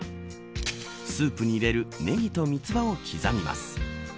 スープに入れるネギとミツバを刻みます。